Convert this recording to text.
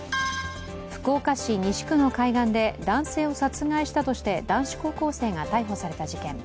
福岡市西区の海岸で男性を殺害したとして男子高校生が逮捕された事件。